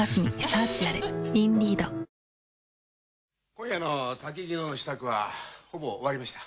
今夜の薪能の支度はほぼ終わりました。